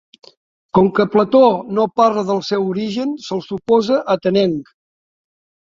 Com que Plató no parla del seu origen se'l suposa atenenc.